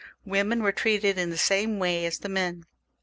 Women were treated in the some way as the men.